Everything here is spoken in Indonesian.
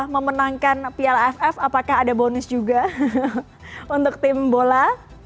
memenangkan piala aff apakah ada bonus juga untuk tim bola